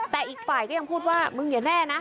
แต่อีกฝ่ายก็ยังพูดว่ามึงอย่าแน่นะ